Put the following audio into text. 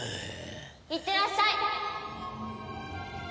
いってらっしゃい！